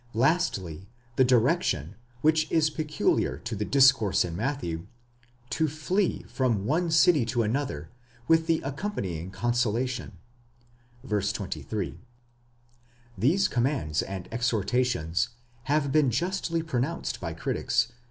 lastly, the direction, which is peculiar to the discourse in Matthew, to flee from one city to another, with the accompanying consolation (v. 23). These commands and exhortations have been justly pronounced by critics?